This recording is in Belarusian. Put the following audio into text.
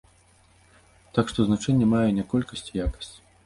Так што, значэнне мае не колькасць, а якасць.